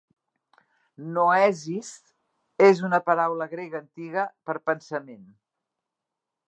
"Noesis" és una paraula grega antiga per "pensament".